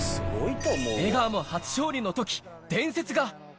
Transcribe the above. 江川も初勝利のとき、伝説が。